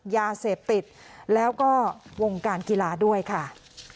ยาเสพติดแล้วก็วงการกีฬาด้วยค่ะ